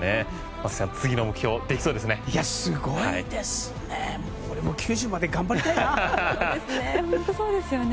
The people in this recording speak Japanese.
松木さん、次の目標できそうですね。